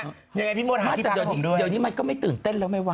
ยังไงพี่มดหาพี่พางกันด้วยนะครับแต่เดี๋ยวนี้มันก็ไม่ตื่นเต้นแล้วไหมวะ